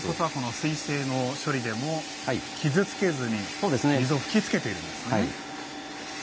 水性の処理でも傷つけずに水を吹きつけているんですね。